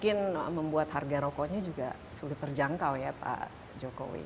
mungkin membuat harga rokoknya juga sulit terjangkau ya pak jokowi